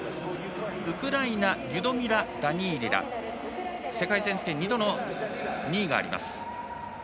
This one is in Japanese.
ウクライナリュドミラ・ダニーリナ世界選手権２度の２位があります。